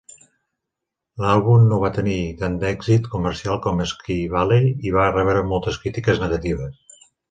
L'àlbum no va tenir tant d'èxit comercial com "Sky Valley" i va rebre moltes crítiques negatives.